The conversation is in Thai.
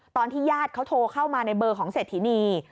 ตอนที่ญาติเขาโทรเข้ามาในเบอร์ของเศรษฐินี